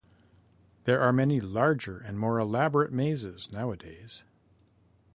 There are many larger and more elaborate mazes nowadays.